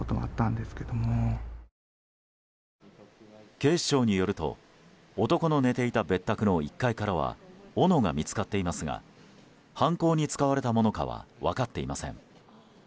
警視庁によると男の寝ていた別宅の１階からはおのが見つかっていますが犯行に使われたものかは分かっていません。